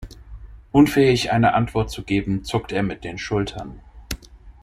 Unfähig eine Antwort zu geben, zuckt er mit den Schultern.